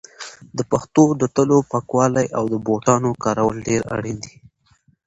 د پښو د تلو پاکوالی او د بوټانو کارول ډېر اړین دي.